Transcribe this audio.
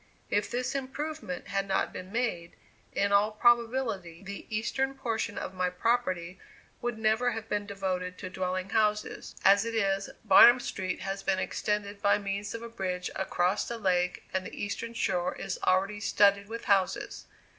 If this improvement had not been made, in all probability the eastern portion of my property would never have been devoted to dwelling houses; as it is, Barnum Street has been extended by means of a bridge across the lake, and the eastern shore is already studded with houses.